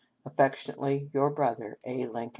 " Affectionately, " Your brother, "A. Lincoln."